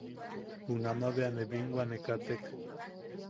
Junama bea ne binwa ne katek.